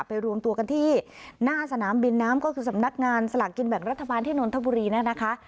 รวมตัวกันที่หน้าสนามบินน้ำก็คือสำนักงานสลากกินแบ่งรัฐบาลที่นนทบุรีเนี่ยนะคะ